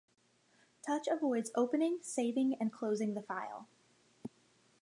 Touch avoids opening, saving, and closing the file.